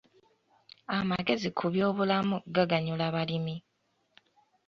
Amagezi ku byobulamu gaganyula balimi.